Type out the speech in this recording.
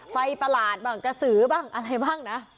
ประหลาดบ้างกระสือบ้างอะไรบ้างนะ